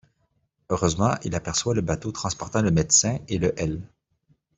Heureusement, il aperçoit le bateau transportant le médecin et le hèle.